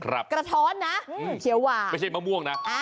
กระท้อนนะเขียวหวานไม่ใช่มะม่วงนะ